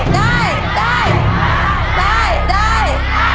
ได้